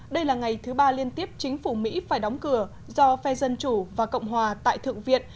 đây là ngày thứ ba liên tiếp chính phủ mỹ phải đóng cửa do phe dân chủ và cộng hòa tại thượng viện